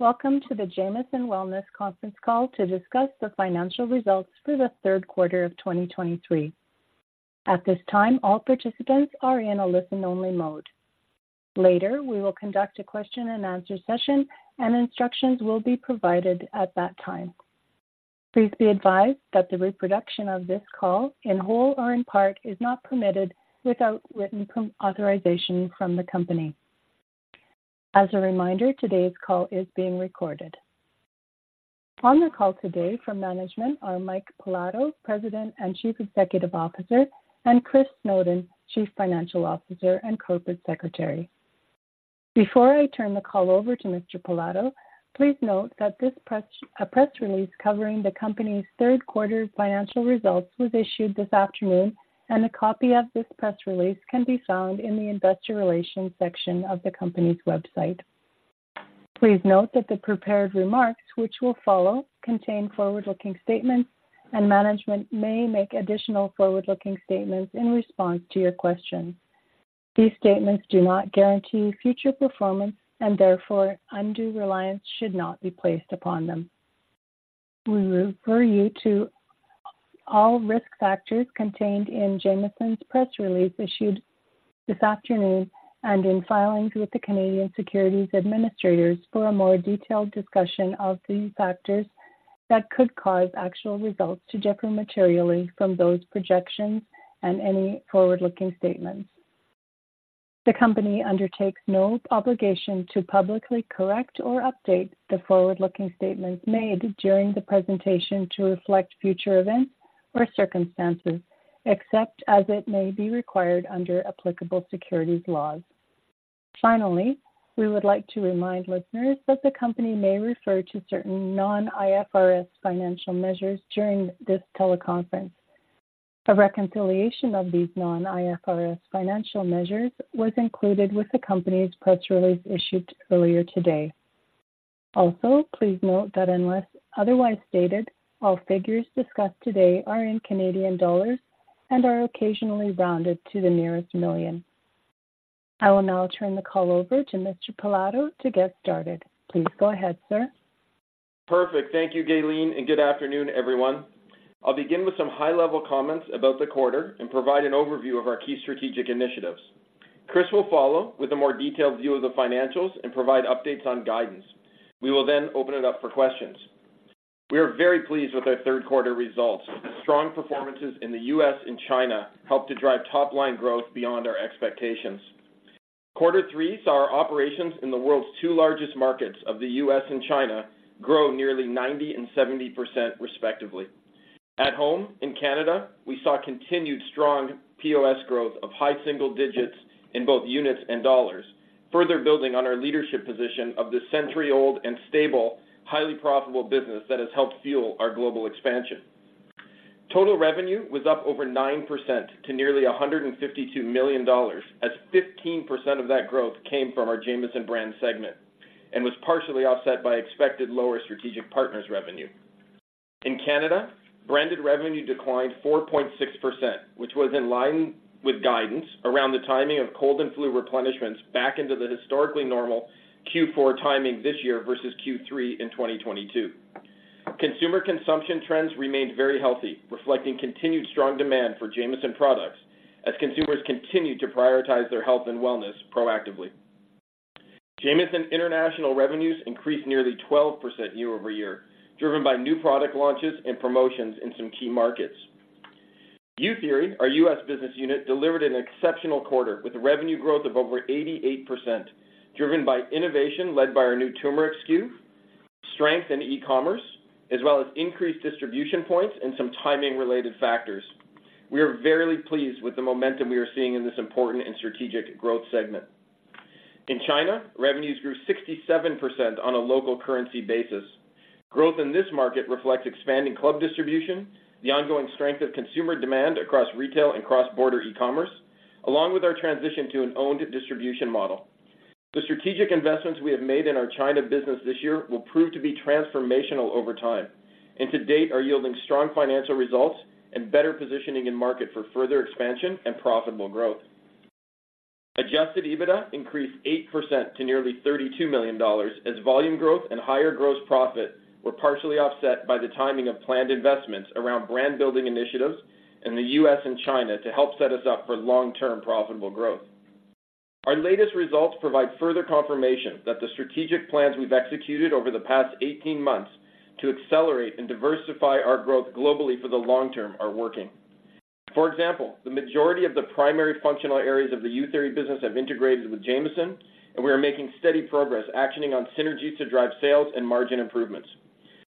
Welcome to the Jamieson Wellness Conference Call to discuss the financial results for the third quarter of 2023. At this time, all participants are in a listen-only mode. Later, we will conduct a question-and-answer session, and instructions will be provided at that time. Please be advised that the reproduction of this call, in whole or in part, is not permitted without written authorization from the company. As a reminder, today's call is being recorded. On the call today from management are Mike Pilato, President and Chief Executive Officer, and Chris Snowden, Chief Financial Officer and Corporate Secretary. Before I turn the call over to Mr. Pilato, please note that this press release covering the company's third quarter's financial results was issued this afternoon, and a copy of this press release can be found in the investor relations section of the company's website. Please note that the prepared remarks, which will follow, contain forward-looking statements, and management may make additional forward-looking statements in response to your questions. These statements do not guarantee future performance, and therefore undue reliance should not be placed upon them. We refer you to all risk factors contained in Jamieson's press release issued this afternoon and in filings with the Canadian Securities Administrators for a more detailed discussion of these factors that could cause actual results to differ materially from those projections and any forward-looking statements. The company undertakes no obligation to publicly correct or update the forward-looking statements made during the presentation to reflect future events or circumstances, except as it may be required under applicable securities laws. Finally, we would like to remind listeners that the company may refer to certain non-IFRS financial measures during this teleconference. A reconciliation of these non-IFRS financial measures was included with the company's press release issued earlier today. Also, please note that unless otherwise stated, all figures discussed today are in Canadian dollars and are occasionally rounded to the nearest million. I will now turn the call over to Mr. Pilato to get started. Please go ahead, sir. Perfect. Thank you, Gaylene, and good afternoon, everyone. I'll begin with some high-level comments about the quarter and provide an overview of our key strategic initiatives. Chris will follow with a more detailed view of the financials and provide updates on guidance. We will then open it up for questions. We are very pleased with our third quarter results. Strong performances in the U.S. and China helped to drive top-line growth beyond our expectations. Quarter three saw our operations in the world's two largest markets of the U.S. and China grow nearly 90% and 70%, respectively. At home, in Canada, we saw continued strong POS growth of high single digits in both units and dollars, further building on our leadership position of this century-old and stable, highly profitable business that has helped fuel our global expansion. Total revenue was up over 9% to nearly 152 million dollars, as 15% of that growth came from our Jamieson brand segment and was partially offset by expected lower strategic partners revenue. In Canada, branded revenue declined 4.6%, which was in line with guidance around the timing of cold and flu replenishments back into the historically normal Q4 timing this year versus Q3 in 2022. Consumer consumption trends remained very healthy, reflecting continued strong demand for Jamieson products as consumers continued to prioritize their health and wellness proactively. Jamieson International revenues increased nearly 12% year-over-year, driven by new product launches and promotions in some key markets. Youtheory, our U.S. business unit, delivered an exceptional quarter with revenue growth of over 88%, driven by innovation led by our new turmeric SKU, strength in e-commerce, as well as increased distribution points and some timing related factors. We are very pleased with the momentum we are seeing in this important and strategic growth segment. In China, revenues grew 67% on a local currency basis. Growth in this market reflects expanding club distribution, the ongoing strength of consumer demand across retail and cross-border e-commerce, along with our transition to an owned distribution model. The strategic investments we have made in our China business this year will prove to be transformational over time and to date, are yielding strong financial results and better positioning in market for further expansion and profitable growth. Adjusted EBITDA increased 8% to nearly 32 million dollars, as volume growth and higher gross profit were partially offset by the timing of planned investments around brand building initiatives in the U.S. and China to help set us up for long-term profitable growth. Our latest results provide further confirmation that the strategic plans we've executed over the past 18 months to accelerate and diversify our growth globally for the long term are working. For example, the majority of the primary functional areas of the Youtheory business have integrated with Jamieson, and we are making steady progress actioning on synergies to drive sales and margin improvements.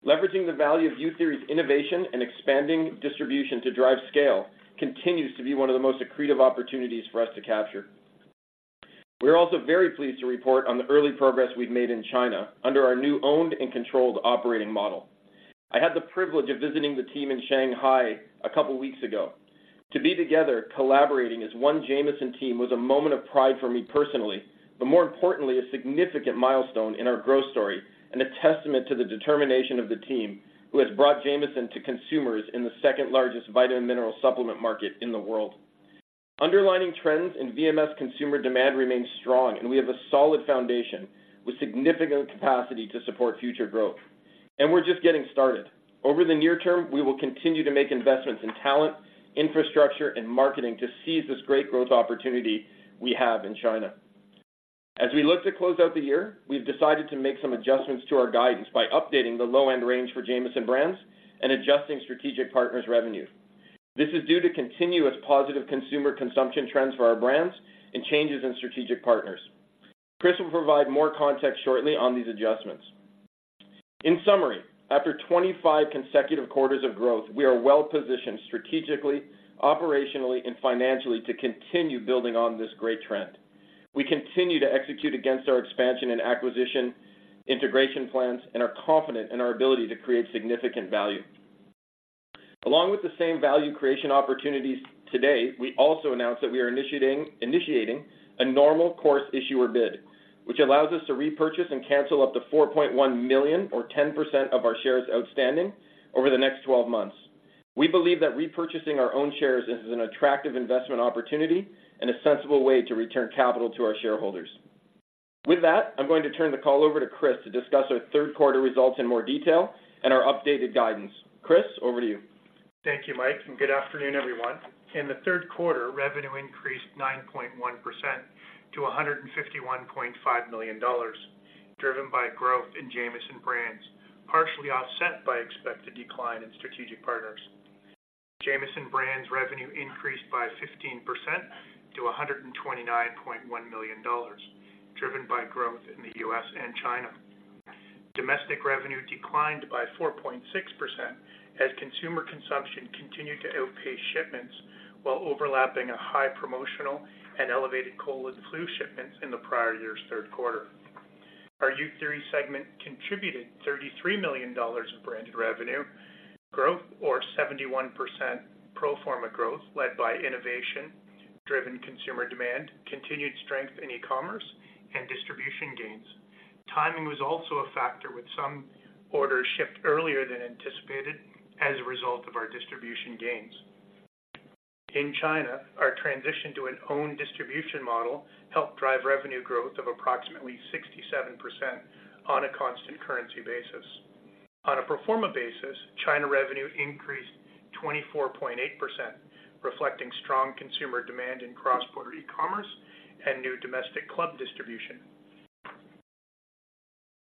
Leveraging the value of Youtheory's innovation and expanding distribution to drive scale continues to be one of the most accretive opportunities for us to capture. We are also very pleased to report on the early progress we've made in China under our new owned and controlled operating model. I had the privilege of visiting the team in Shanghai a couple of weeks ago. To be together, collaborating as one Jamieson team, was a moment of pride for me personally, but more importantly, a significant milestone in our growth story and a testament to the determination of the team who has brought Jamieson to consumers in the second-largest vitamin mineral supplement market in the world. Underlying trends in VMS consumer demand remains strong, and we have a solid foundation with significant capacity to support future growth. We're just getting started. Over the near term, we will continue to make investments in talent, infrastructure, and marketing to seize this great growth opportunity we have in China. As we look to close out the year, we've decided to make some adjustments to our guidance by updating the low-end range for Jamieson brands and adjusting strategic partners' revenue. This is due to continuous positive consumer consumption trends for our brands and changes in strategic partners. Chris will provide more context shortly on these adjustments. In summary, after 25 consecutive quarters of growth, we are well-positioned strategically, operationally, and financially to continue building on this great trend. We continue to execute against our expansion and acquisition, integration plans, and are confident in our ability to create significant value. Along with the same value creation opportunities today, we also announced that we are initiating a normal course issuer bid, which allows us to repurchase and cancel up to 4.1 million or 10% of our shares outstanding over the next 12 months. We believe that repurchasing our own shares is an attractive investment opportunity and a sensible way to return capital to our shareholders. With that, I'm going to turn the call over to Chris to discuss our third quarter results in more detail and our updated guidance. Chris, over to you. Thank you, Mike, and good afternoon, everyone. In the third quarter, revenue increased 9.1% to 151.5 million dollars, driven by growth in Jamieson brands, partially offset by expected decline in strategic partners. Jamieson brands revenue increased by 15% to 129.1 million dollars, driven by growth in the U.S. and China. Domestic revenue declined by 4.6%, as consumer consumption continued to outpace shipments while overlapping a high promotional and elevated cold and flu shipments in the prior year's third quarter. Our Youtheory segment contributed 33 million dollars in branded revenue, growth or 71% pro forma growth, led by innovation, driven consumer demand, continued strength in e-commerce, and distribution gains. Timing was also a factor, with some orders shipped earlier than anticipated as a result of our distribution gains. In China, our transition to an owned distribution model helped drive revenue growth of approximately 67% on a constant currency basis. On a pro forma basis, China revenue increased 24.8%, reflecting strong consumer demand in cross-border e-commerce and new domestic club distribution.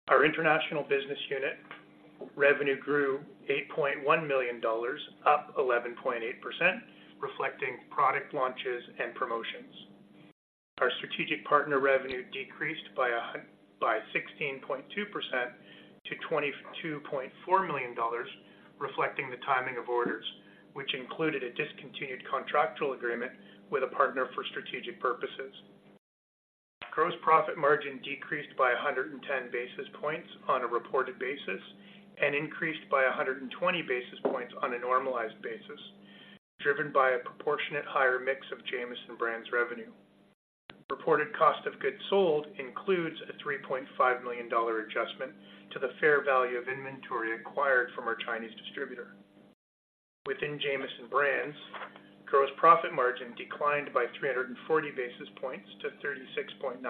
Our international business unit revenue grew 8.1 million dollars, up 11.8%, reflecting product launches and promotions. Our strategic partner revenue decreased by sixteen point two percent to 22.4 million dollars, reflecting the timing of orders, which included a discontinued contractual agreement with a partner for strategic purposes. Gross profit margin decreased by 110 basis points on a reported basis and increased by 120 basis points on a normalized basis, driven by a proportionate higher mix of Jamieson brands revenue. Reported cost of goods sold includes a 3.5 million dollar adjustment to the fair value of inventory acquired from our Chinese distributor. Within Jamieson brands, gross profit margin declined by 340 basis points to 36.9%,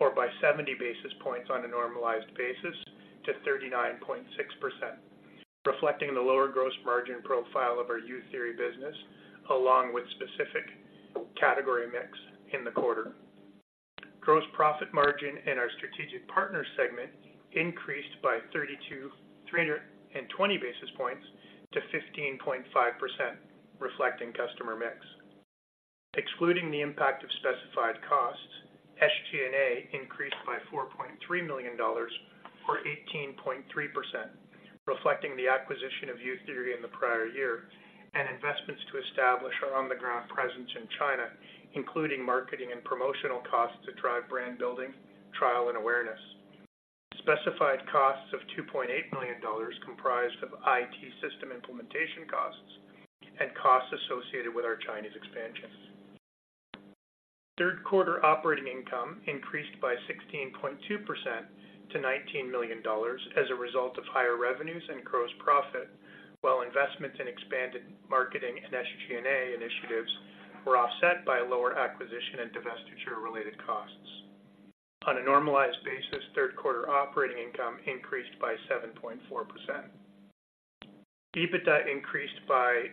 or by 70 basis points on a normalized basis to 39.6%, reflecting the lower gross margin profile of our Youtheory business, along with specific category mix in the quarter. Gross profit margin in our strategic partners segment increased by 320 basis points to 15.5%, reflecting customer mix. Excluding the impact of specified costs, SG&A increased by 4.3 million dollars, or 18.3%, reflecting the acquisition of Youtheory in the prior year and investments to establish our on-the-ground presence in China, including marketing and promotional costs to drive brand building, trial, and awareness. Specified costs of 2.8 million dollars comprised of IT system implementation costs and costs associated with our Chinese expansion. Third quarter operating income increased by 16.2% to 19 million dollars as a result of higher revenues and gross profit, while investments in expanded marketing and SG&A initiatives were offset by lower acquisition and divestiture-related costs. On a normalized basis, third quarter operating income increased by 7.4%. EBITDA increased by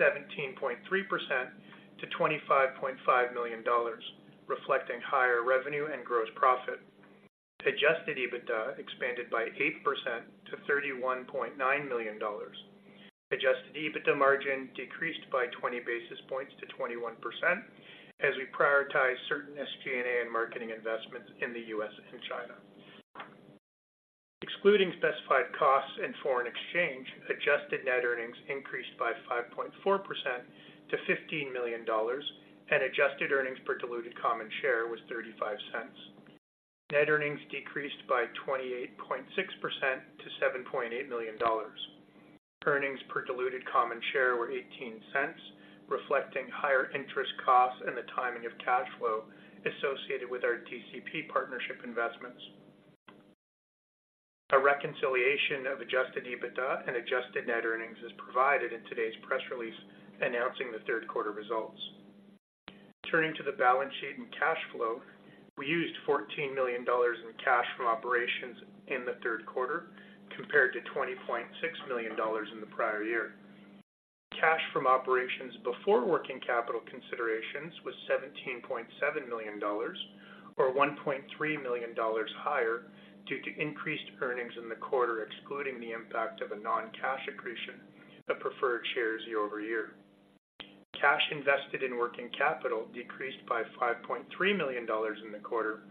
17.3% to 25.5 million dollars, reflecting higher revenue and gross profit. Adjusted EBITDA expanded by 8% to 31.9 million dollars. Adjusted EBITDA margin decreased by 20 basis points to 21% as we prioritize certain SG&A and marketing investments in the U.S. and China. Excluding specified costs and foreign exchange, adjusted net earnings increased by 5.4% to 15 million dollars, and adjusted earnings per diluted common share was 0.35. Net earnings decreased by 28.6% to 7.8 million dollars. Earnings per diluted common share were 0.18, reflecting higher interest costs and the timing of cash flow associated with our DCP partnership investments. A reconciliation of adjusted EBITDA and adjusted net earnings is provided in today's press release announcing the third quarter results. Turning to the balance sheet and cash flow, we used 14 million dollars in cash from operations in the third quarter, compared to 20.6 million dollars in the prior year. Cash from operations before working capital considerations was 17.7 million dollars, or 1.3 million dollars higher, due to increased earnings in the quarter, excluding the impact of a non-cash accretion of preferred shares year-over-year. Cash invested in working capital decreased by 5.3 million dollars in the quarter,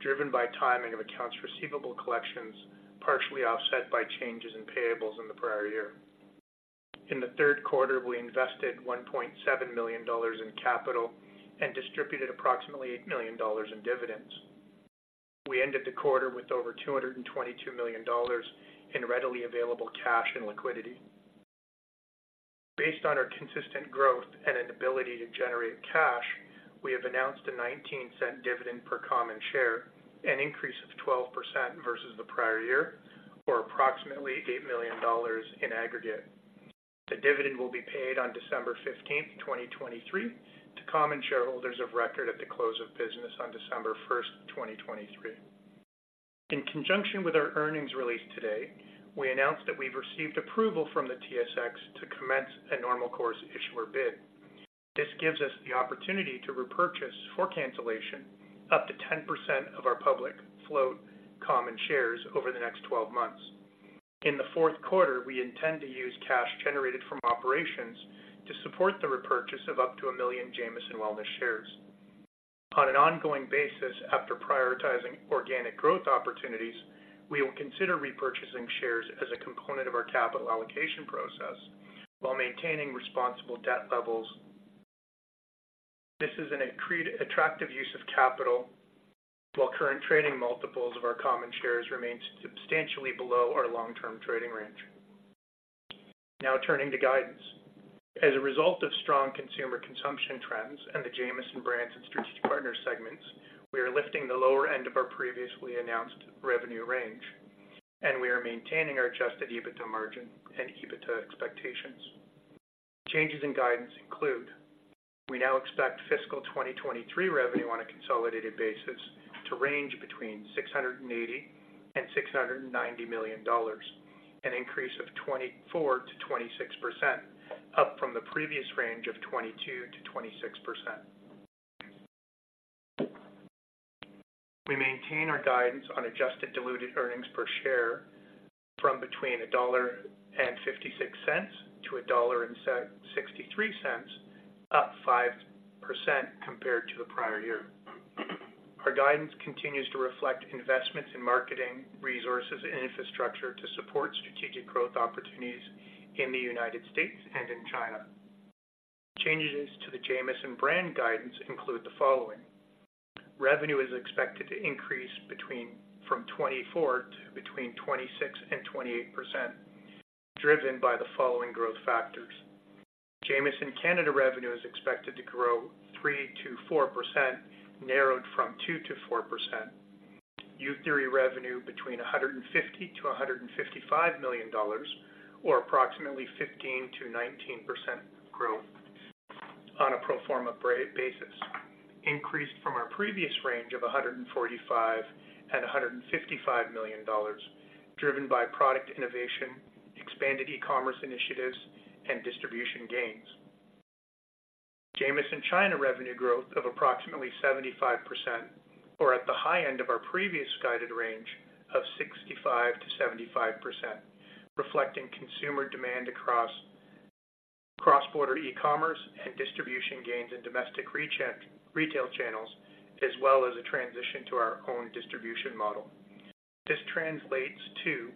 driven by timing of accounts receivable collections, partially offset by changes in payables in the prior year. In the third quarter, we invested 1.7 million dollars in capital and distributed approximately 8 million dollars in dividends. We ended the quarter with over 222 million dollars in readily available cash and liquidity. Based on our consistent growth and an ability to generate cash, we have announced a 0.19 dividend per common share, an increase of 12% versus the prior year, or approximately 8 million dollars in aggregate. The dividend will be paid on December 15th, 2023, to common shareholders of record at the close of business on December 1st, 2023. In conjunction with our earnings release today, we announced that we've received approval from the TSX to commence a normal course issuer bid. This gives us the opportunity to repurchase, for cancellation, up to 10% of our public float common shares over the next 12 months. In the fourth quarter, we intend to use cash generated from operations to support the repurchase of up to 1 million Jamieson Wellness shares. On an ongoing basis, after prioritizing organic growth opportunities, we will consider repurchasing shares as a component of our capital allocation process while maintaining responsible debt levels. This is an attractive use of capital, while current trading multiples of our common shares remains substantially below our long-term trading range. Now turning to guidance. As a result of strong consumer consumption trends and the Jamieson brands and Strategic Partners segments, we are lifting the lower end of our previously announced revenue range, and we are maintaining our Adjusted EBITDA margin and EBITDA expectations. Changes in guidance include: We now expect fiscal 2023 revenue on a consolidated basis to range between 680 million and 690 million dollars, an increase of 24%-26%, up from the previous range of 22%-26%. We maintain our guidance on adjusted diluted earnings per share from between 1.56-1.63 dollar, up 5% compared to the prior year. Our guidance continues to reflect investments in marketing resources and infrastructure to support strategic growth opportunities in the United States and in China. Changes to the Jamieson brand guidance include the following: Revenue is expected to increase from 24 to between 26%-28%, driven by the following growth factors. Jamieson Canada revenue is expected to grow 3%-4%, narrowed from 2%-4%. Youtheory revenue between CAD 150 million-CAD 155 million, or approximately 15%-19% growth on a pro forma basis, increased from our previous range of $145 million and $155 million, driven by product innovation, expanded e-commerce initiatives, and distribution gains. Jamieson China revenue growth of approximately 75%, or at the high end of our previous guided range of 65%-75%, reflecting consumer demand across cross-border e-commerce and distribution gains in domestic retail channels, as well as a transition to our own distribution model. This translates to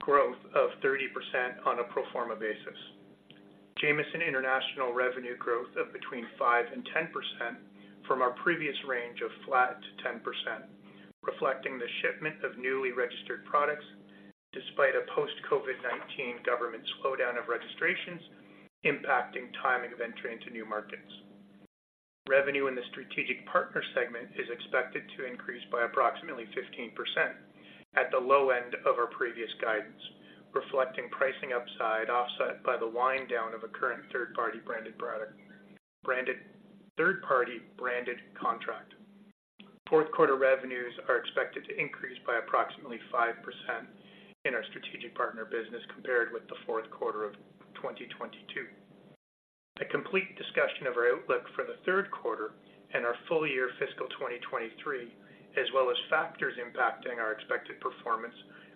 growth of 30% on a pro forma basis. Jamieson International revenue growth of between 5% and 10% from our previous range of flat to 10%, reflecting the shipment of newly registered products despite a post-COVID-19 government slowdown of registrations impacting timing of entry into new markets. Revenue in the strategic partner segment is expected to increase by approximately 15% at the low end of our previous guidance, reflecting pricing upside, offset by the wind down of a current third-party branded product, third-party branded contract. Fourth quarter revenues are expected to increase by approximately 5% in our strategic partner business, compared with the fourth quarter of 2022. A complete discussion of our outlook for the third quarter and our full-year fiscal 2023, as well as factors impacting our expected performance,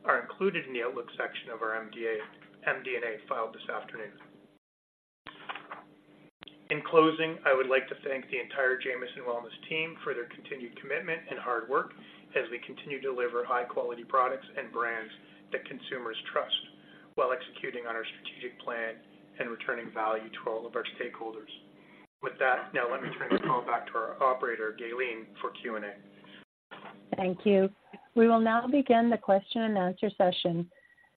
are included in the Outlook section of our MD&A, filed this afternoon. In closing, I would like to thank the entire Jamieson Wellness team for their continued commitment and hard work as we continue to deliver high-quality products and brands that consumers trust, while executing on our strategic plan and returning value to all of our stakeholders. With that, now let me turn the call back to our operator, Gaylene, for Q&A. Thank you. We will now begin the question and answer session.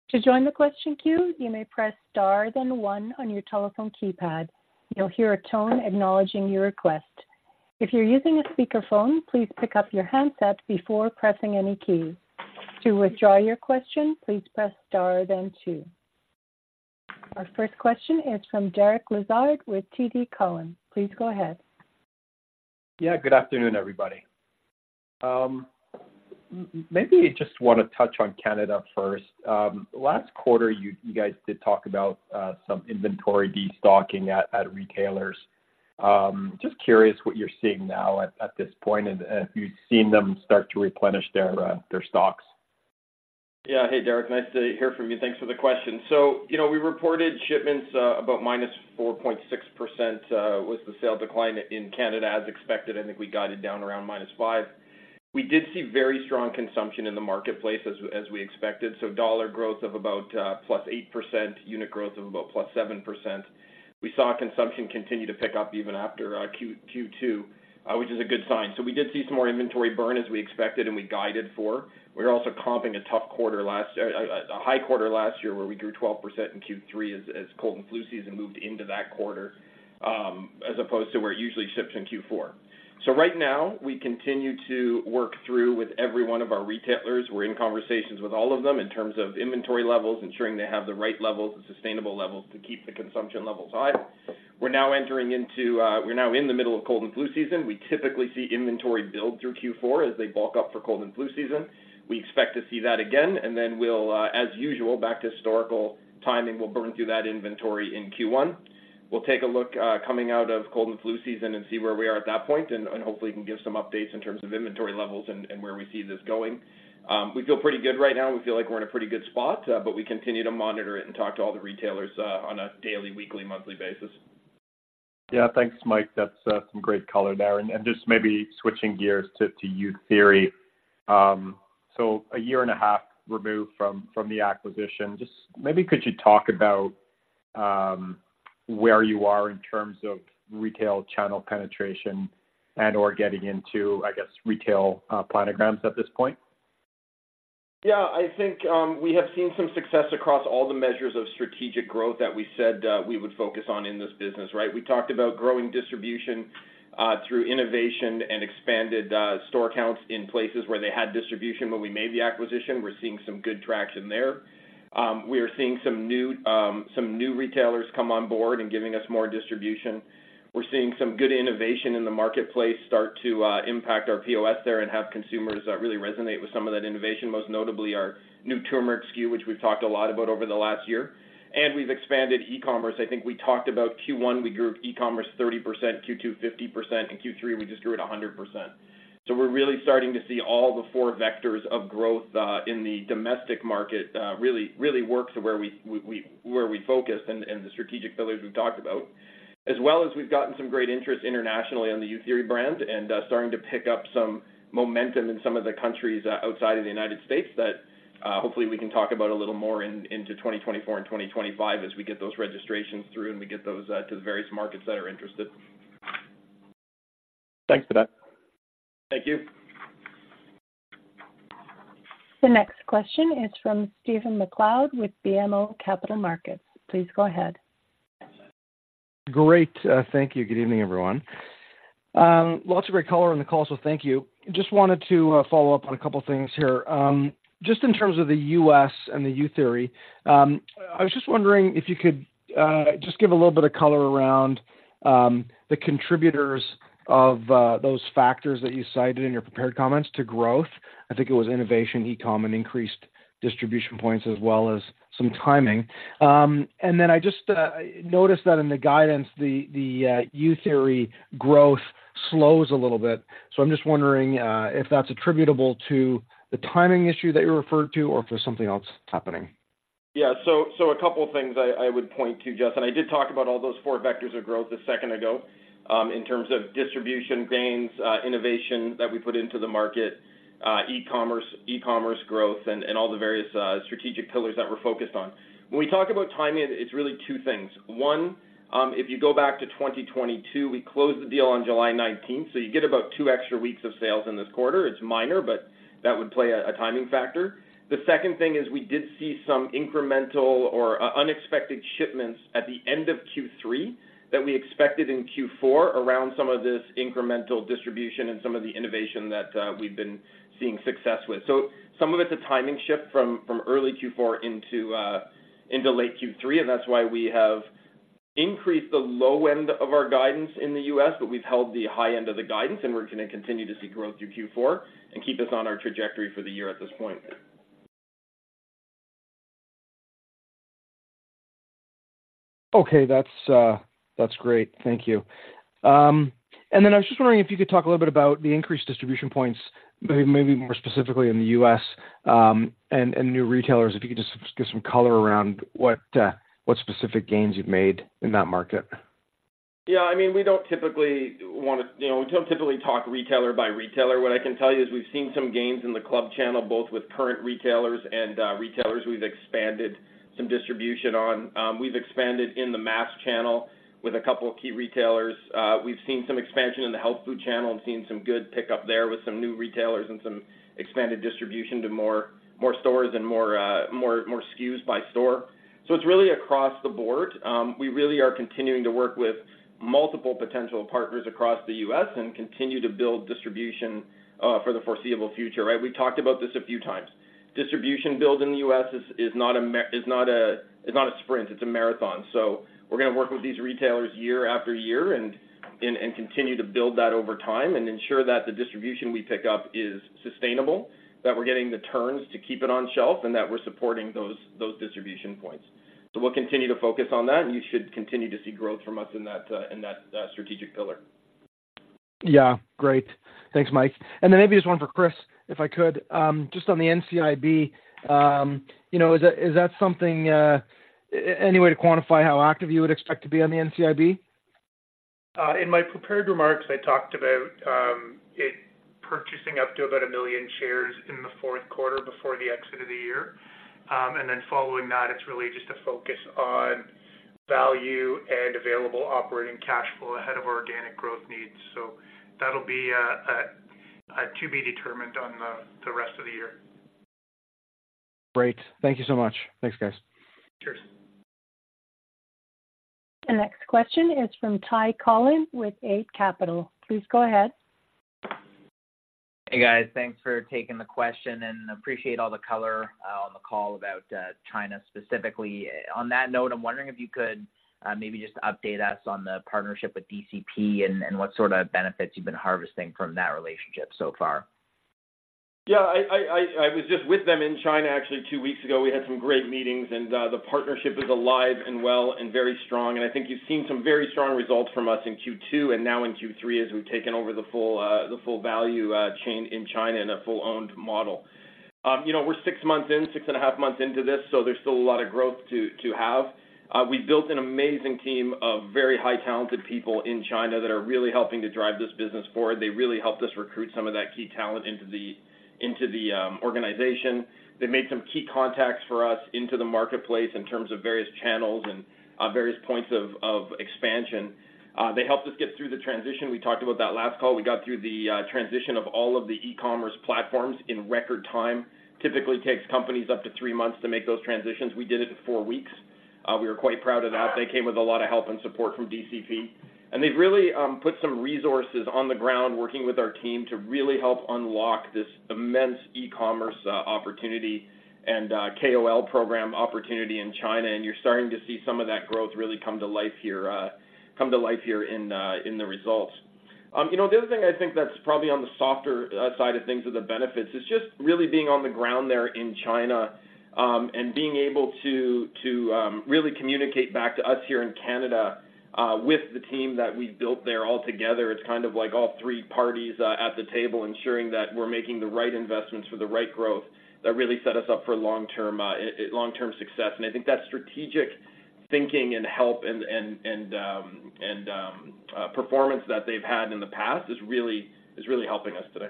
To join the question queue, you may press star, then one on your telephone keypad. You'll hear a tone acknowledging your request. If you're using a speakerphone, please pick up your handset before pressing any keys. To withdraw your question, please press star then two. Our first question is from Derek Lessard with TD Cowen. Please go ahead. Yeah, good afternoon, everybody. Maybe just want to touch on Canada first. Last quarter, you guys did talk about some inventory destocking at retailers. Just curious what you're seeing now at this point, and if you've seen them start to replenish their stocks. Yeah. Hey, Derek, nice to hear from you. Thanks for the question. So, you know, we reported shipments, about -4.6% was the sales decline in Canada, as expected. I think we guided down around -5%. We did see very strong consumption in the marketplace as we expected, so dollar growth of about +8%, unit growth of about +7%. We saw consumption continue to pick up even after Q2, which is a good sign. So we did see some more inventory burn as we expected, and we guided for. We're also comping a tough quarter last year-- a high quarter last year, where we grew 12% in Q3 as cold and flu season moved into that quarter, as opposed to where it usually ships in Q4. So right now, we continue to work through with every one of our retailers. We're in conversations with all of them in terms of inventory levels, ensuring they have the right levels and sustainable levels to keep the consumption levels high. We're now in the middle of cold and flu season. We typically see inventory build through Q4 as they bulk up for cold and flu season. We expect to see that again, and then we'll, as usual, back to historical timing, we'll burn through that inventory in Q1. We'll take a look, coming out of cold and flu season and see where we are at that point, and hopefully can give some updates in terms of inventory levels and where we see this going. We feel pretty good right now. We feel like we're in a pretty good spot, but we continue to monitor it and talk to all the retailers, on a daily, weekly, monthly basis. Yeah. Thanks, Mike. That's some great color there. And just maybe switching gears to Youtheory. So a year and a half removed from the acquisition, just maybe could you talk about where you are in terms of retail channel penetration and/or getting into, I guess, retail planograms at this point? Yeah, I think we have seen some success across all the measures of strategic growth that we said we would focus on in this business, right? We talked about growing distribution through innovation and expanded store counts in places where they had distribution when we made the acquisition. We're seeing some good traction there. We are seeing some new retailers come on board and giving us more distribution. We're seeing some good innovation in the marketplace start to impact our POS there and have consumers really resonate with some of that innovation, most notably our new turmeric SKU, which we've talked a lot about over the last year. We've expanded e-commerce. I think we talked about Q1, we grew e-commerce 30%, Q2, 50%, and Q3, we just grew it 100%. So we're really starting to see all the 4 vectors of growth in the domestic market really really work to where we focus and the strategic pillars we've talked about. As well as we've gotten some great interest internationally on the Youtheory brand and starting to pick up some momentum in some of the countries outside of the United States that hopefully we can talk about a little more into 2024 and 2025 as we get those registrations through and we get those to the various markets that are interested. Thanks for that. Thank you. The next question is from Stephen MacLeod with BMO Capital Markets. Please go ahead. Great. Thank you. Good evening, everyone. Lots of great color on the call, so thank you. Just wanted to follow up on a couple of things here. Just in terms of the U.S. and the Youtheory, I was just wondering if you could just give a little bit of color around the contributors of those factors that you cited in your prepared comments to growth. I think it was innovation, e-com, and increased distribution points, as well as some timing. And then I just noticed that in the guidance, the Youtheory growth slows a little bit. So I'm just wondering if that's attributable to the timing issue that you referred to or if there's something else happening. Yeah, so a couple of things I would point to. I did talk about all those four vectors of growth a second ago, in terms of distribution gains, innovation that we put into the market, e-commerce, e-commerce growth, and all the various strategic pillars that we're focused on. When we talk about timing, it's really two things. One, if you go back to 2022, we closed the deal on July 19th, so you get about two extra weeks of sales in this quarter. It's minor, but that would play a timing factor. The second thing is we did see some incremental or unexpected shipments at the end of Q3 that we expected in Q4 around some of this incremental distribution and some of the innovation that we've been seeing success with. So some of it's a timing shift from early Q4 into late Q3, and that's why we have increased the low end of our guidance in the US, but we've held the high end of the guidance, and we're gonna continue to see growth through Q4 and keep us on our trajectory for the year at this point. Okay, that's that's great. Thank you. And then I was just wondering if you could talk a little bit about the increased distribution points, maybe, maybe more specifically in the U.S., and new retailers. If you could just give some color around what what specific gains you've made in that market. Yeah, I mean, You know, we don't typically talk retailer by retailer. What I can tell you is we've seen some gains in the club channel, both with current retailers and retailers we've expanded some distribution on. We've expanded in the mass channel with a couple of key retailers. We've seen some expansion in the health food channel and seen some good pickup there with some new retailers and some expanded distribution to more stores and more SKUs by store. So it's really across the board. We really are continuing to work with multiple potential partners across the U.S. and continue to build distribution for the foreseeable future, right? We talked about this a few times. Distribution build in the U.S. is not a sprint, it's a marathon. So we're gonna work with these retailers year after year and continue to build that over time and ensure that the distribution we pick up is sustainable, that we're getting the turns to keep it on shelf, and that we're supporting those distribution points. So we'll continue to focus on that, and you should continue to see growth from us in that strategic pillar. Yeah. Great. Thanks, Mike. And then maybe just one for Chris, if I could. Just on the NCIB, you know, is that, is that something, any way to quantify how active you would expect to be on the NCIB? In my prepared remarks, I talked about it purchasing up to about 1 million shares in the fourth quarter before the exit of the year. Then following that, it's really just a focus on value and available operating cash flow ahead of organic growth needs. So that'll be to be determined on the rest of the year. Great. Thank you so much. Thanks, guys. Cheers. The next question is from Ty Collin with Eight Capital. Please go ahead. Hey, guys. Thanks for taking the question, and appreciate all the color on the call about China specifically. On that note, I'm wondering if you could maybe just update us on the partnership with DCP and what sort of benefits you've been harvesting from that relationship so far. Yeah, I was just with them in China actually 2 weeks ago. We had some great meetings, and the partnership is alive and well and very strong. I think you've seen some very strong results from us in Q2 and now in Q3, as we've taken over the full value chain in China in a fully owned model. You know, we're 6 months in, 6.5 months into this, so there's still a lot of growth to have. We built an amazing team of very highly talented people in China that are really helping to drive this business forward. They really helped us recruit some of that key talent into the organization. They made some key contacts for us into the marketplace in terms of various channels and various points of expansion. They helped us get through the transition. We talked about that last call. We got through the transition of all of the e-commerce platforms in record time. Typically takes companies up to three months to make those transitions. We did it in four weeks. We were quite proud of that. They came with a lot of help and support from DCP. And they've really put some resources on the ground, working with our team to really help unlock this immense e-commerce opportunity and KOL program opportunity in China. And you're starting to see some of that growth really come to life here, come to life here in the results. You know, the other thing I think that's probably on the softer side of things or the benefits is just really being on the ground there in China and being able to really communicate back to us here in Canada with the team that we've built there all together. It's kind of like all three parties at the table, ensuring that we're making the right investments for the right growth that really set us up for long-term success. And I think that strategic thinking and help and performance that they've had in the past is really helping us today.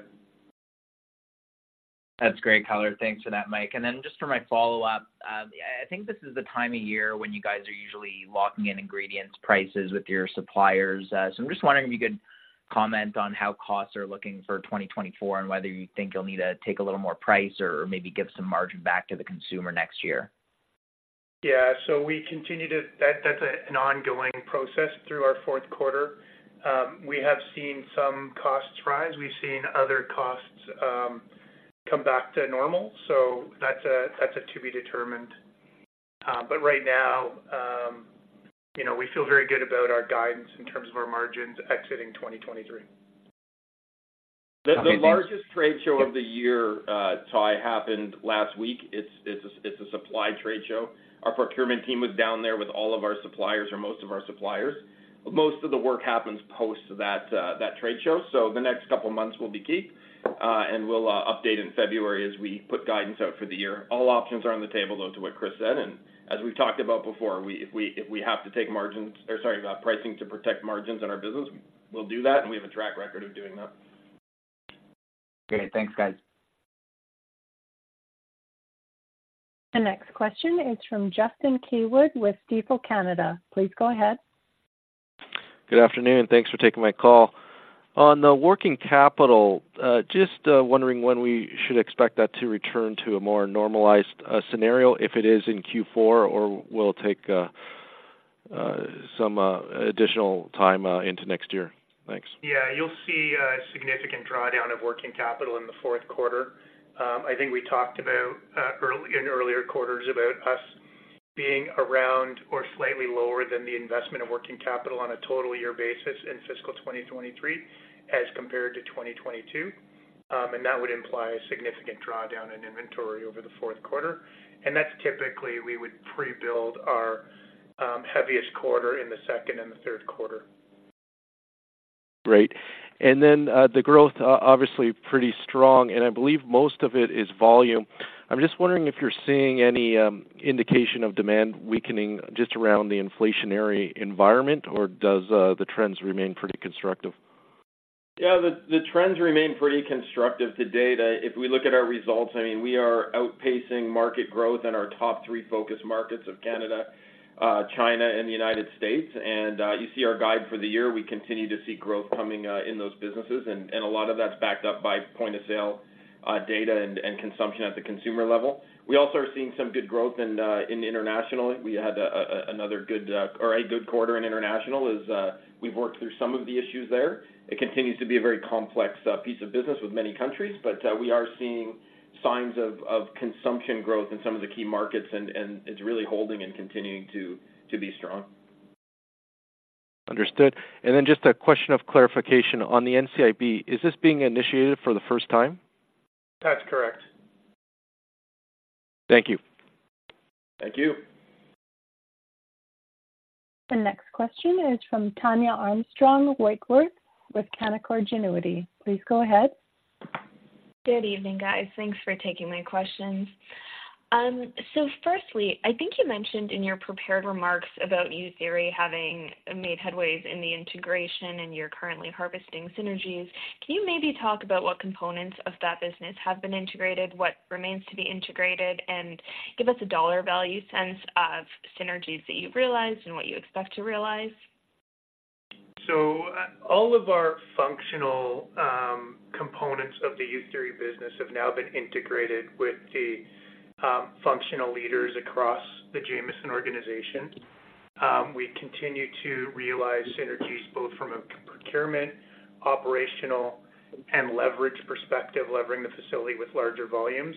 That's great color. Thanks for that, Mike. And then just for my follow-up, I think this is the time of year when you guys are usually locking in ingredients prices with your suppliers. So I'm just wondering if you could comment on how costs are looking for 2024, and whether you think you'll need to take a little more price or maybe give some margin back to the consumer next year. Yeah. So we continue to. That's an ongoing process through our fourth quarter. We have seen some costs rise. We've seen other costs come back to normal. So that's a to be determined. But right now, you know, we feel very good about our guidance in terms of our margins exiting 2023. The largest trade show of the year, Ty, happened last week. It's a supply trade show. Our procurement team was down there with all of our suppliers or most of our suppliers. Most of the work happens post that trade show. So the next couple of months will be key, and we'll update in February as we put guidance out for the year. All options are on the table, though, to what Chris said, and as we've talked about before, we- if we have to take margins. Or sorry, pricing to protect margins in our business, we'll do that, and we have a track record of doing that. Great. Thanks, guys. The next question is from Justin Keywood with Stifel Canada. Please go ahead. Good afternoon. Thanks for taking my call. On the working capital, just, wondering when we should expect that to return to a more normalized, scenario, if it is in Q4 or will it take, some, additional time, into next year? Thanks. Yeah, you'll see a significant drawdown of working capital in the fourth quarter. I think we talked about early in earlier quarters about us being around or slightly lower than the investment of working capital on a total year basis in fiscal 2023, as compared to 2022. And that would imply a significant drawdown in inventory over the fourth quarter, and that's typically we would pre-build our heaviest quarter in the second and the third quarter. Great. And then, the growth, obviously pretty strong, and I believe most of it is volume. I'm just wondering if you're seeing any indication of demand weakening just around the inflationary environment, or does the trends remain pretty constructive? Yeah, the trends remain pretty constructive to date. If we look at our results, I mean, we are outpacing market growth in our top three focus markets of Canada, China and the United States. And you see our guide for the year, we continue to see growth coming in those businesses, and a lot of that's backed up by point-of-sale data and consumption at the consumer level. We also are seeing some good growth in international. We had another good quarter in international as we've worked through some of the issues there. It continues to be a very complex piece of business with many countries, but we are seeing signs of consumption growth in some of the key markets, and it's really holding and continuing to be strong. Understood. Then just a question of clarification. On the NCIB, is this being initiated for the first time? That's correct. Thank you. Thank you. The next question is from Tania Armstrong-Whitworth with Canaccord Genuity. Please go ahead. Good evening, guys. Thanks for taking my questions. So firstly, I think you mentioned in your prepared remarks about Youtheory having made headway in the integration, and you're currently harvesting synergies. Can you maybe talk about what components of that business have been integrated, what remains to be integrated, and give us a dollar value sense of synergies that you've realized and what you expect to realize? All of our functional components of the Youtheory business have now been integrated with the functional leaders across the Jamieson organization. We continue to realize synergies both from a procurement, operational, and leverage perspective, levering the facility with larger volumes.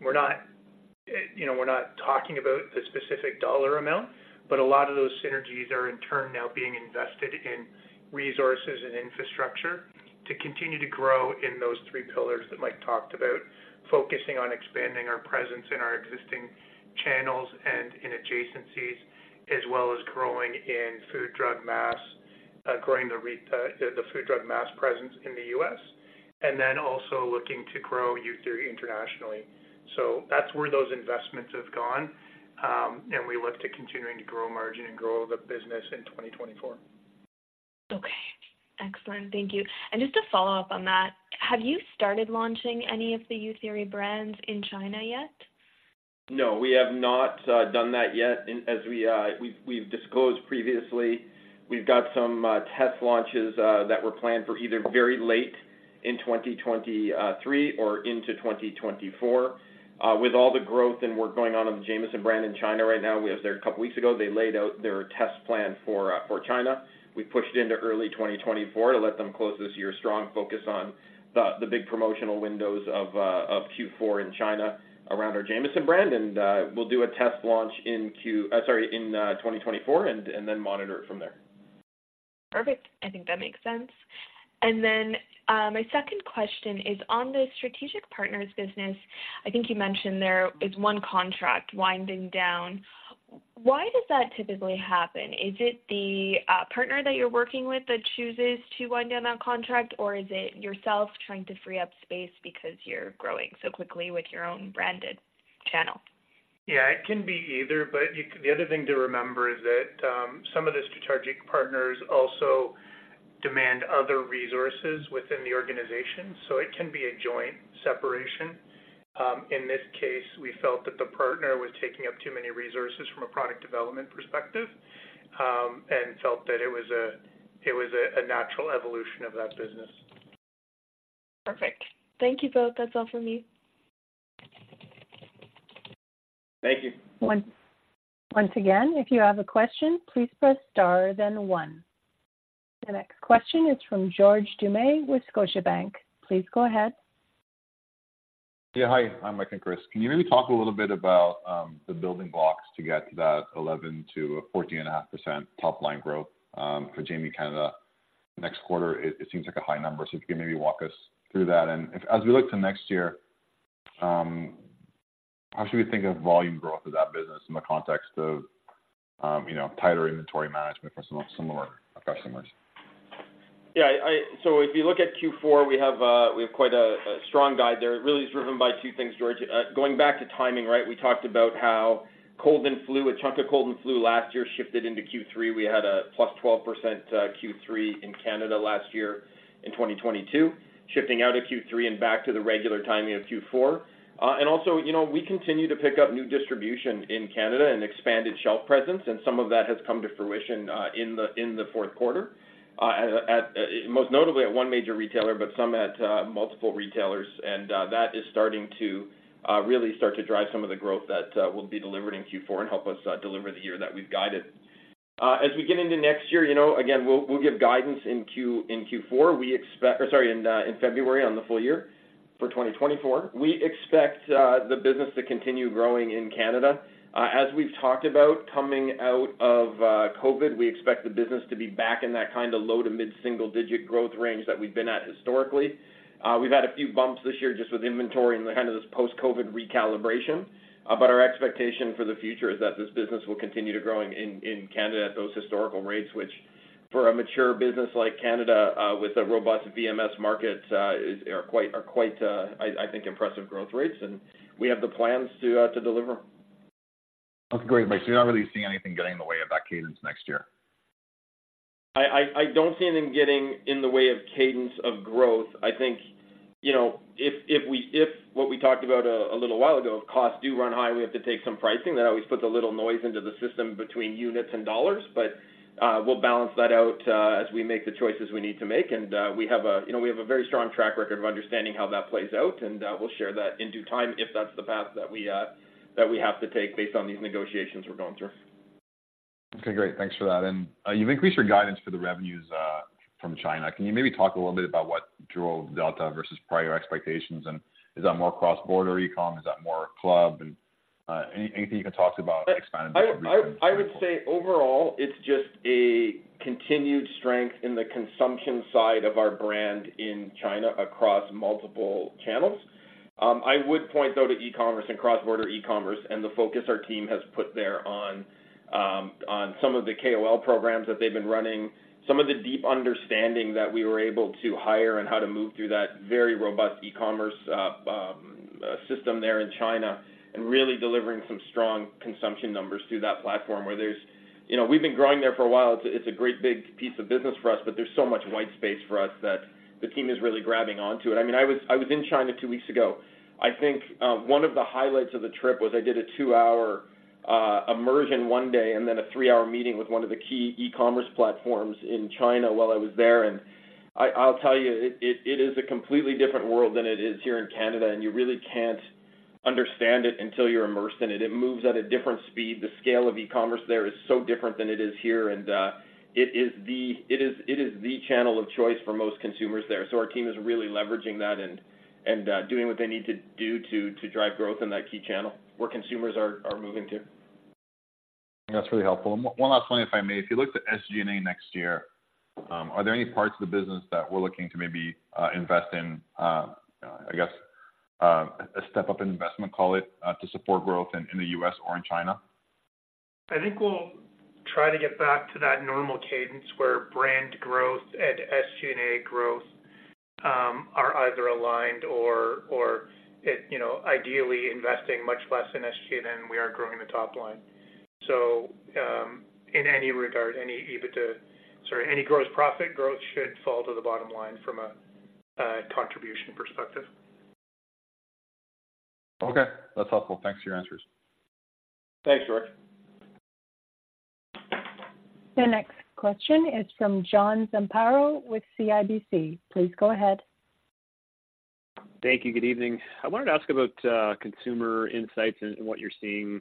We're not, you know, we're not talking about the specific dollar amount, but a lot of those synergies are in turn now being invested in resources and infrastructure to continue to grow in those three pillars that Mike talked about. Focusing on expanding our presence in our existing channels and in adjacencies, as well as growing in food, drug, mass, growing the food, drug, mass presence in the U.S., and then also looking to grow Youtheory internationally. That's where those investments have gone, and we look to continuing to grow margin and grow the business in 2024. Okay, excellent. Thank you. Just to follow up on that, have you started launching any of the Youtheory brands in China yet? No, we have not done that yet. And as we've disclosed previously, we've got some test launches that were planned for either very late in 2023 or into 2024. With all the growth and work going on in the Jamieson brand in China right now, as of a couple of weeks ago, they laid out their test plan for China. We pushed it into early 2024 to let them close this year strong, focus on the big promotional windows of Q4 in China around our Jamieson brand, and we'll do a test launch in Q1, sorry, in 2024, and then monitor it from there. Perfect. I think that makes sense. And then, my second question is on the strategic partners business. I think you mentioned there is one contract winding down. Why does that typically happen? Is it the partner that you're working with that chooses to wind down that contract, or is it yourself trying to free up space because you're growing so quickly with your own branded channel? Yeah, it can be either, but you, the other thing to remember is that some of the strategic partners also demand other resources within the organization, so it can be a joint separation. In this case, we felt that the partner was taking up too many resources from a product development perspective, and felt that it was a natural evolution of that business. Perfect. Thank you, both. That's all from me. Thank you. Once again, if you have a question, please press star, then one. The next question is from George Doumet with Scotiabank. Please go ahead. Yeah, hi. Hi, Mike and Chris. Can you maybe talk a little bit about the building blocks to get to that 11%-14.5% top line growth for Jamieson Canada next quarter? It seems like a high number. So if you can maybe walk us through that. And if as we look to next year, how should we think of volume growth of that business in the context of you know, tighter inventory management for some of our customers? Yeah, so if you look at Q4, we have quite a strong guide there. It really is driven by two things, George. Going back to timing, right? We talked about how cold and flu, a chunk of cold and flu last year shifted into Q3. We had a +12% Q3 in Canada last year in 2022, shifting out of Q3 and back to the regular timing of Q4. And also, you know, we continue to pick up new distribution in Canada and expanded shelf presence, and some of that has come to fruition in the fourth quarter, most notably at one major retailer, but some at multiple retailers. That is starting to really start to drive some of the growth that will be delivered in Q4 and help us deliver the year that we've guided. As we get into next year, you know, again, we'll give guidance in Q4. We expect, or sorry, in February on the full year for 2024. We expect the business to continue growing in Canada. As we've talked about, coming out of COVID, we expect the business to be back in that kind of low to mid-single-digit growth range that we've been at historically. We've had a few bumps this year just with inventory and the kind of this post-COVID recalibration. But our expectation for the future is that this business will continue to growing in Canada at those historical rates, which for a mature business like Canada, with a robust VMS market, are quite impressive growth rates, and we have the plans to deliver. That's great, Mike. So you're not really seeing anything getting in the way of that cadence next year? I don't see it in getting in the way of cadence of growth. I think, you know, if what we talked about a little while ago, if costs do run high, we have to take some pricing. That always puts a little noise into the system between units and dollars, but we'll balance that out as we make the choices we need to make. And we have, you know, a very strong track record of understanding how that plays out, and we'll share that in due time if that's the path that we have to take based on these negotiations we're going through. Okay, great. Thanks for that. And, you've increased your guidance for the revenues from China. Can you maybe talk a little bit about what drove delta versus prior expectations? And is that more cross-border e-com? Is that more club? And, anything you can talk about expanded- I would say overall, it's just a continued strength in the consumption side of our brand in China across multiple channels. I would point, though, to e-commerce and cross-border e-commerce and the focus our team has put there on, on some of the KOL programs that they've been running, some of the deep understanding that we were able to hire and how to move through that very robust e-commerce, system there in China, and really delivering some strong consumption numbers through that platform where there's. You know, we've been growing there for a while. It's a great big piece of business for us, but there's so much white space for us that the team is really grabbing on to it. I mean, I was in China two weeks ago. I think, one of the highlights of the trip was I did a two-hour immersion one day, and then a three-hour meeting with one of the key e-commerce platforms in China while I was there. I’ll tell you, it is a completely different world than it is here in Canada, and you really can't understand it until you're immersed in it. It moves at a different speed. The scale of e-commerce there is so different than it is here, and it is the channel of choice for most consumers there. So our team is really leveraging that and doing what they need to do to drive growth in that key channel where consumers are moving to. That's really helpful. One last one, if I may. If you look to SG&A next year, are there any parts of the business that we're looking to maybe invest in, I guess, a step up in investment, call it, to support growth in the US or in China? I think we'll try to get back to that normal cadence where brand growth and SG&A growth are either aligned or you know, ideally investing much less in SG than we are growing the top line. So, in any regard, any EBITDA, sorry, any gross profit growth should fall to the bottom line from a contribution perspective. Okay, that's helpful. Thanks for your answers. Thanks, George. The next question is from John Zamparo with CIBC. Please go ahead. Thank you. Good evening. I wanted to ask about consumer insights and what you're seeing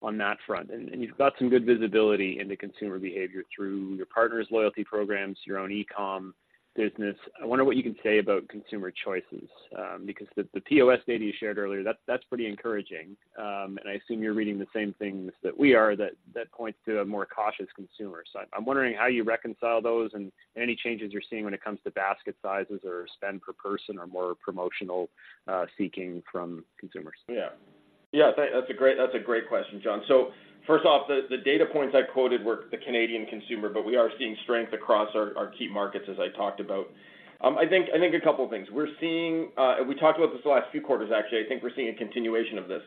on that front. You've got some good visibility into consumer behavior through your partners loyalty programs, your own e-com business. I wonder what you can say about consumer choices, because the POS data you shared earlier, that's pretty encouraging. I assume you're reading the same things that we are that points to a more cautious consumer. So I'm wondering how you reconcile those and any changes you're seeing when it comes to basket sizes or spend per person, or more promotional seeking from consumers. Yeah. Yeah, that's a great question, John. So first off, the data points I quoted were the Canadian consumer, but we are seeing strength across our key markets, as I talked about. I think a couple of things. We talked about this the last few quarters, actually. I think we're seeing a continuation of this.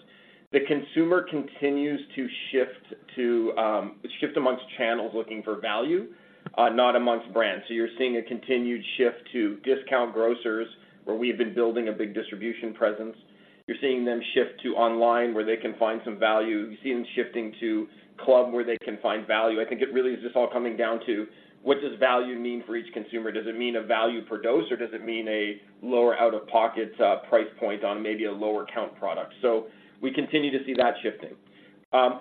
The consumer continues to shift amongst channels looking for value, not amongst brands. So you're seeing a continued shift to discount grocers, where we've been building a big distribution presence. You're seeing them shift to online, where they can find some value. You see them shifting to club, where they can find value. I think it really is just all coming down to: what does value mean for each consumer? Does it mean a value per dose, or does it mean a lower out-of-pocket price point on maybe a lower count product? So we continue to see that shifting.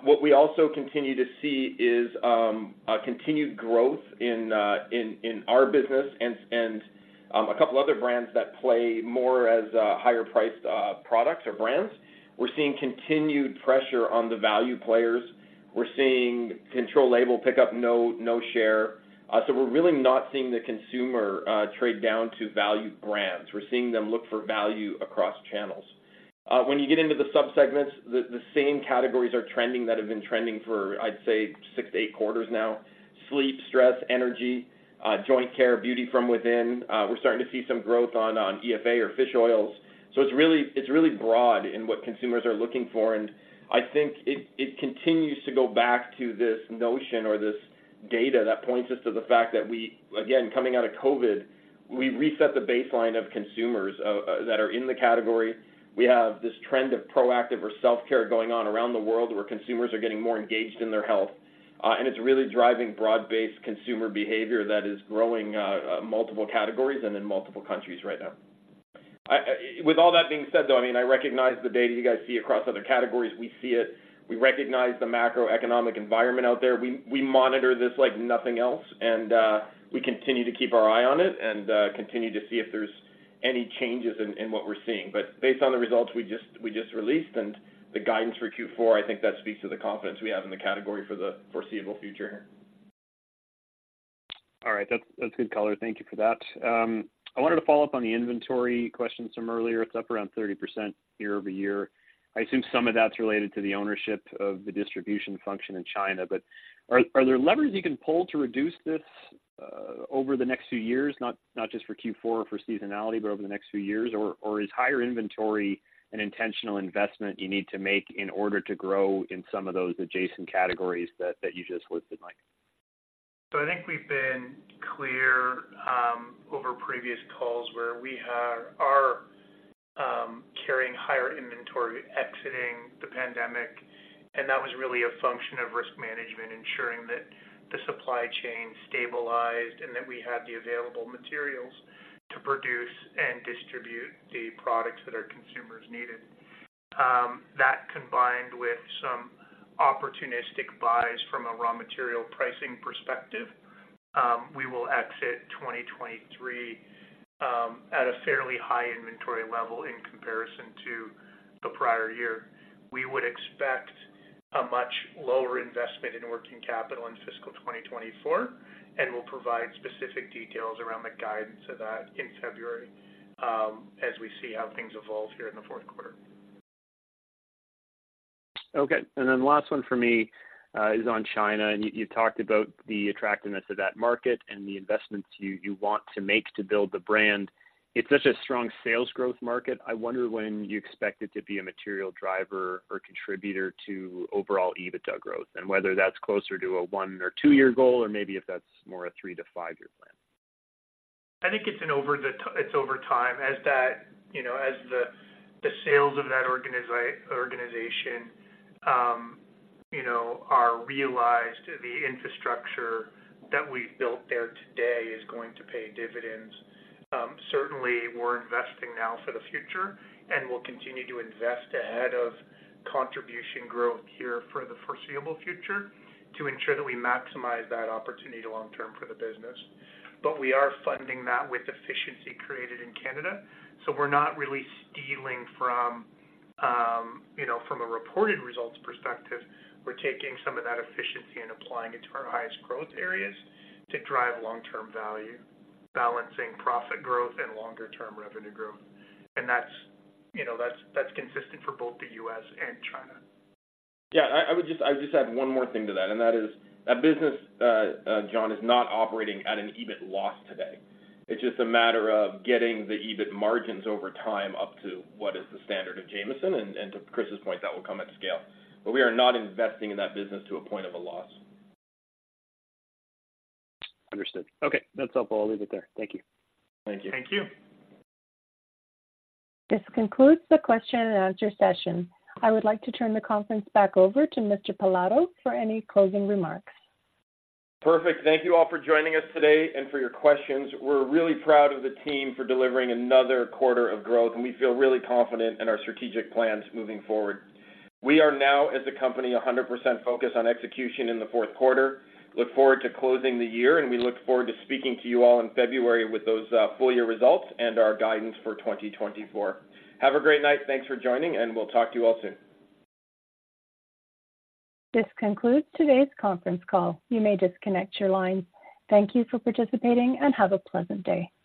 What we also continue to see is a continued growth in our business and a couple of other brands that play more as higher priced products or brands. We're seeing continued pressure on the value players. We're seeing control label pick up no share. So we're really not seeing the consumer trade down to value brands. We're seeing them look for value across channels. When you get into the subsegments, the same categories are trending that have been trending for, I'd say, 6-8 quarters now. Sleep, stress, energy, joint care, beauty from within. We're starting to see some growth on EFA or fish oils. So it's really broad in what consumers are looking for, and I think it continues to go back to this notion or this data that points us to the fact that we, again, coming out of COVID, we reset the baseline of consumers that are in the category. We have this trend of proactive or self-care going on around the world, where consumers are getting more engaged in their health, and it's really driving broad-based consumer behavior that is growing multiple categories and in multiple countries right now. With all that being said, though, I mean, I recognize the data you guys see across other categories. We see it. We recognize the macroeconomic environment out there. We monitor this like nothing else, and we continue to keep our eye on it and continue to see if there's any changes in what we're seeing. But based on the results we just released and the guidance for Q4, I think that speaks to the confidence we have in the category for the foreseeable future. All right. That's good color. Thank you for that. I wanted to follow up on the inventory question from earlier. It's up around 30% year-over-year. I assume some of that's related to the ownership of the distribution function in China, but are there levers you can pull to reduce this over the next few years? Not just for Q4 or for seasonality, but over the next few years? Or is higher inventory an intentional investment you need to make in order to grow in some of those adjacent categories that you just listed, Mike? So I think we've been clear over previous calls where we are carrying higher inventory exiting the pandemic, and that was really a function of risk management, ensuring that the supply chain stabilized and that we had the available materials to produce and distribute the products that our consumers needed. That combined with some opportunistic buys from a raw material pricing perspective, we will exit 2023 at a fairly high inventory level in comparison to the prior year. We would expect a much lower investment in working capital in fiscal 2024, and we'll provide specific details around the guidance of that in February as we see how things evolve here in the fourth quarter. Okay, and then last one for me, is on China. And you talked about the attractiveness of that market and the investments you want to make to build the brand. It's such a strong sales growth market. I wonder when you expect it to be a material driver or contributor to overall EBITDA growth, and whether that's closer to a one or two-year goal, or maybe if that's more a three to five-year plan. I think it's over time. As that, you know, as the sales of that organization are realized, the infrastructure that we've built there today is going to pay dividends. Certainly, we're investing now for the future, and we'll continue to invest ahead of contribution growth here for the foreseeable future to ensure that we maximize that opportunity long term for the business. But we are funding that with efficiency created in Canada, so we're not really stealing from, you know, from a reported results perspective. We're taking some of that efficiency and applying it to our highest growth areas to drive long-term value, balancing profit growth and longer-term revenue growth. And that's, you know, that's consistent for both the U.S. and China. Yeah, I would just add one more thing to that, and that is, that business, John, is not operating at an EBIT loss today. It's just a matter of getting the EBIT margins over time up to what is the standard of Jamieson, and to Chris's point, that will come at scale. But we are not investing in that business to a point of a loss. Understood. Okay, that's helpful. I'll leave it there. Thank you. Thank you. Thank you. This concludes the question and answer session. I would like to turn the conference back over to Mr. Pilato for any closing remarks. Perfect. Thank you all for joining us today and for your questions. We're really proud of the team for delivering another quarter of growth, and we feel really confident in our strategic plans moving forward. We are now, as a company, 100% focused on execution in the fourth quarter. Look forward to closing the year, and we look forward to speaking to you all in February with those full year results and our guidance for 2024. Have a great night. Thanks for joining, and we'll talk to you all soon. This concludes today's conference call. You may disconnect your line. Thank you for participating, and have a pleasant day.